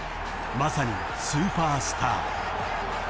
［まさにスーパースター］